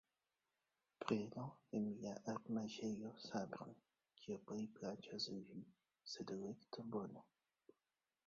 Prenu en mia armaĵejo sabron, kiu plej plaĉas al vi, sed elektu bone.